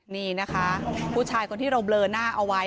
นี่นะคะผู้ชายคนที่เราเบลอหน้าเอาไว้